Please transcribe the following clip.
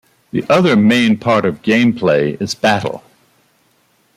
The other main part of gameplay is battle.